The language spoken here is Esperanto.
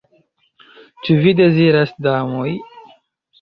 Ĉu vi deziras, damoj?